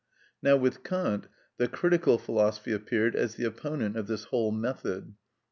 Now, with Kant, the critical philosophy appeared as the opponent of this whole method.